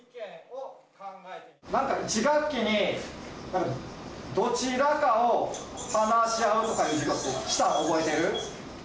１学期にどちらかを話し合うとかいう授業って、したの覚えてる？